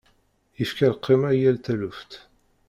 Yefka lqima i yal taluft.